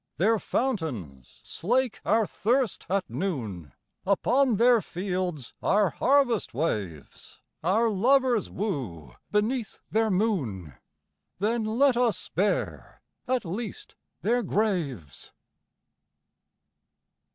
Their fountains slake our thirst at noon, Upon their fields our harvest waves, Our lovers woo beneath their moon, Then let us spare, at least, their graves!